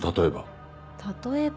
例えば？